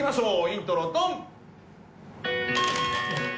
イントロドン！